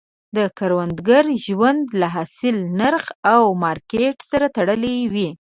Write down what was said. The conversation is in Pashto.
د کروندګر ژوند له حاصل، نرخ او مارکیټ سره تړلی وي.